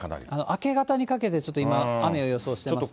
明け方にかけてちょっと今、雨を予想してますね。